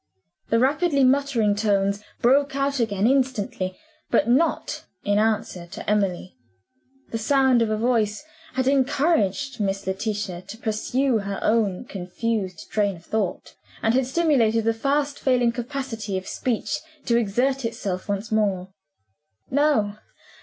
The rapidly muttering tones broke out again instantly but not in answer to Emily. The sound of a voice had encouraged Miss Letitia to pursue her own confused train of thought, and had stimulated the fast failing capacity of speech to exert itself once more. "No!